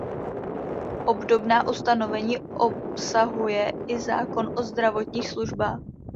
Obdobná ustanovení obsahuje i zákon o zdravotních službách.